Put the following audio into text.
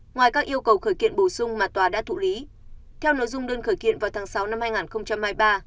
ngoài các yêu cầu khởi kiện bổ sung mà tòa đã thụ lý theo nội dung đơn khởi kiện vào tháng sáu năm hai nghìn hai mươi ba